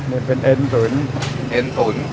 เนื้อเป็นเอ็นสดเอ็นสด